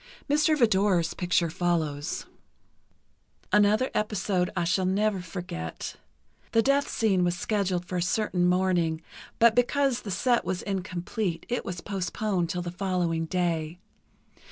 Mr. Vidor's picture follows: Another episode I shall never forget: The death scene was scheduled for a certain morning, but because the set was incomplete, it was postponed till the following day.